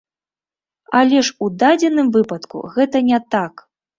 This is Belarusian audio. Але ж у дадзеным выпадку гэта не так!